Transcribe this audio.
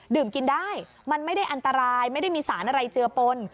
กินได้มันไม่ได้อันตรายไม่ได้มีสารอะไรเจือปน